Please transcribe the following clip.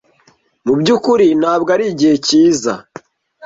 Mubyukuri ntabwo arigihe cyiza.